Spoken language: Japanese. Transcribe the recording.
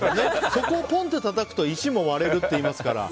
そこをポンとたたくと石も割れるといいますから。